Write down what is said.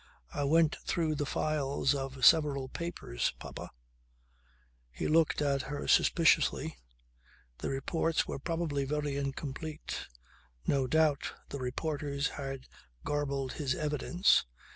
"I went through the files of several papers, papa." He looked at her suspiciously. The reports were probably very incomplete. No doubt the reporters had garbled his evidence.